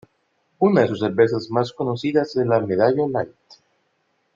Una de sus cervezas más conocida es la Medalla Light.